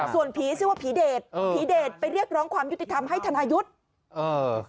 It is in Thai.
ส่วนผีชื่อว่าผีเดชผีเดชไปเรียกร้องความยุติธรรมให้ธนายุทธ์เออ